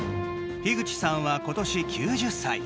樋口さんは今年９０歳。